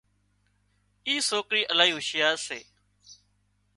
اي سوڪري الاهي هُوشيار سي